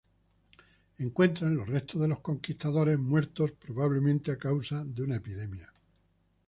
Encuentran los restos de los conquistadores, muertos probablemente a causa de una epidemia.